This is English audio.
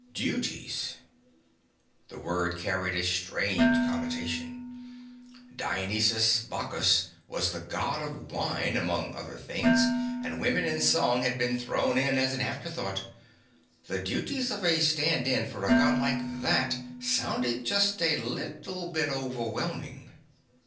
Duties. The word carried a strange connotation. Dionysus/Bacchus was the God of wine, among other things, and women and song had been thrown in as an afterthought. The duties of a stand in for a God like that sounded just a little bit overwhelming.